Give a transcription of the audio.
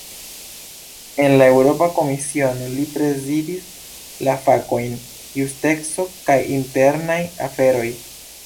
En la Eŭropa Komisiono, li prezidis la fakojn "justeco kaj internaj aferoj".